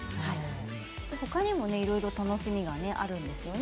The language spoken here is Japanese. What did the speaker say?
ほかにもいろいろ楽しみがあるんですね。